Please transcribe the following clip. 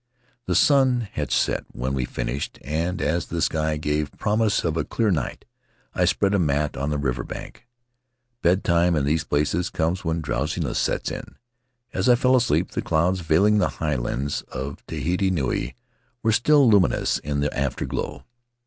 The sun had set when we finished, and as the sky gave promise of a clear night I spread a mat on the river bank. Bedtime in these places comes when drowsiness sets in; as I fell asleep the clouds veiling the highlands of Tahiti Nui were still luminous in the afterglow.